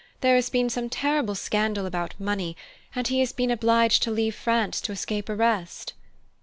There has been some terrible scandal about money and he has been obliged to leave France to escape arrest."